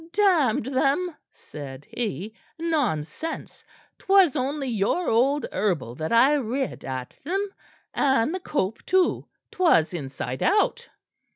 "'Damned them?' said he; 'nonsense! 'Twas only your old herbal that I read at them; and the cope too, 'twas inside out.'"